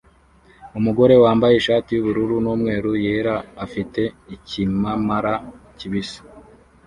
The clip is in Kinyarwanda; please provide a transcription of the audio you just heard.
Umugore wambaye ishati yubururu n'umweru yera afite ikimamara kibisi